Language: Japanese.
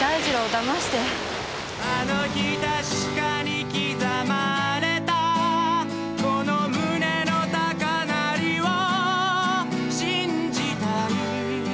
「あの日確かに刻まれたこの胸の高鳴りを信じたい」